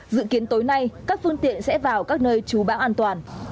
dự kiến tối nay các phương tiện sẽ vào các nơi trú bão an toàn